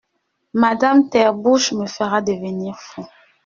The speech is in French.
Madame Therbouche me fera devenir fou.